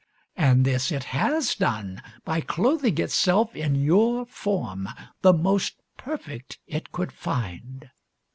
And this it has done by clothing itself in your form, the most perfect it could find.